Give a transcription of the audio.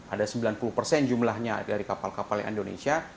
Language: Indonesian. ada sembilan puluh persen jumlahnya dari kapal kapal indonesia